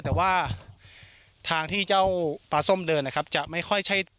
แต่ว่าทางที่เจ้าปลาส้มเดินนะครับจะไม่ค่อยใช่